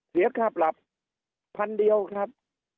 เสียค่าปรับพันเดียวครับ